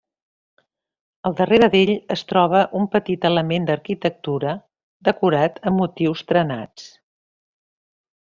Al darrere d'ell es troba un petit element d'arquitectura, decorat amb motius trenats.